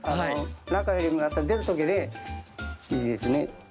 中よりもやっぱ出る時ねいいですね。